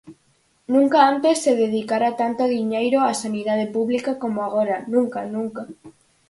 Nunca antes se dedicara tanto diñeiro á sanidade pública como agora, nunca, nunca.